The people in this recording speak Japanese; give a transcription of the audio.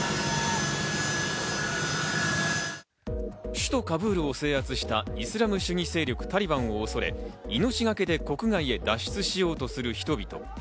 首都カブールを制圧したイスラム主義勢力・タリバンを恐れ、命がけで国外へ脱出しようとする人々。